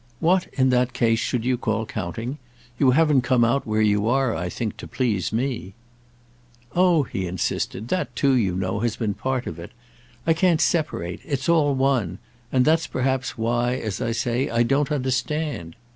"What, in that case, should you call counting? You haven't come out where you are, I think, to please me." "Oh," he insisted, "that too, you know, has been part of it. I can't separate—it's all one; and that's perhaps why, as I say, I don't understand."